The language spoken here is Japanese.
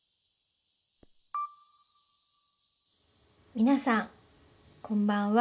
みなさんこんばんは。